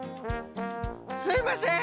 すいません。